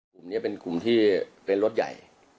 กลุ่มนี้เป็นกลุ่มที่เป็นรถใหญ่